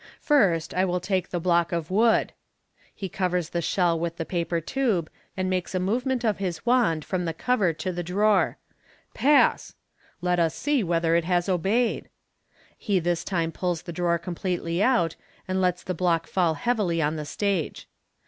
First, I will take the block of wood." He covers the shell with the paper tube, and makes a move ment of his wand from the cover to the drawer. " Pass ! Let us see whether it has obeyed." He this time pulls the drawer completely out, and lets the block fall heavily on the stage.